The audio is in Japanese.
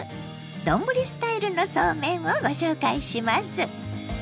丼スタイルのそうめんをご紹介します。